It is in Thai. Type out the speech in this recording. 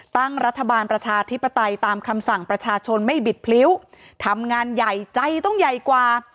ตั้งรัฐบาลประชาธิปไตยตามคำสั่งประชาชนไม่บิดพลิ้วทำงานใหญ่ใจต้องใหญ่กว่า